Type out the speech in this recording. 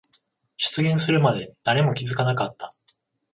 出現するまで誰も気づかなかった。